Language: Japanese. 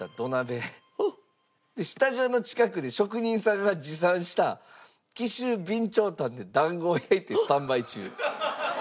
でスタジオの近くで職人さんが持参した紀州備長炭で団子を焼いてスタンバイ中。